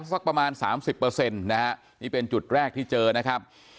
สักประมาณสามสิบเปอร์เซ็นต์นะฮะนี่เป็นจุดแรกที่เจอนะครับ